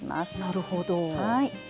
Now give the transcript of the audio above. なるほど。